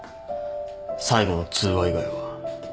最後の通話以外は。